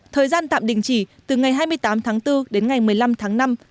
thời gian tạm đình chỉ từ ngày hai mươi tám tháng bốn đến ngày một mươi năm tháng năm